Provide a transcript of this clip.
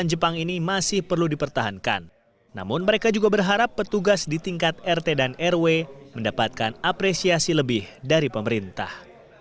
jepang jawa tengah